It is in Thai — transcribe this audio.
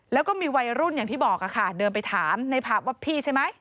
แล้วก็มีวัยรุ่นอย่างที่บอกค่ะเดินไปถามในผับว่าพี่ใช่ไหม